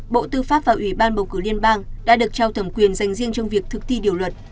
bộ tư pháp và ủy ban bầu cử liên bang đã được trao thẩm quyền dành riêng trong việc thực thi điều luật